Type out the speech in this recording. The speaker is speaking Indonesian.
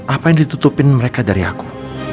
apa yang ditutupin mereka dari aku